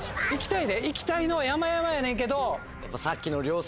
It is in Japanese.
いきたいのはやまやまやねんけど。